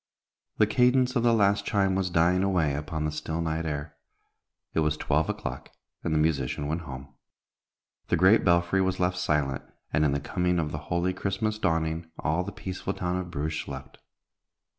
The cadence of the last chime was dying away upon the still night air. It was twelve o'clock, and the musician went home. The great belfry was left silent, and in the coming of the holy Christmas dawning all the peaceful town of Bruges slept.